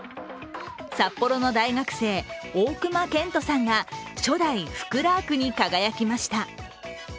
札幌の大学生、大熊健斗さんが初代福ラークに輝きました。